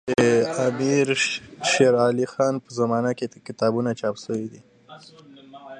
د امير شېر علي خان په زمانه کي کتابونه چاپ سوي دي.